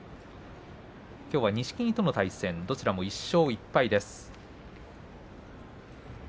きょうは錦木との対戦どちらも１勝１敗です。